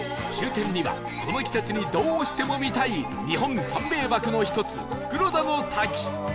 終点にはこの季節にどうしても見たい日本三名瀑の１つ袋田の滝